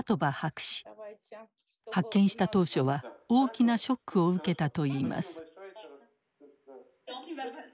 発見した当初は大きなショックを受けたといいます。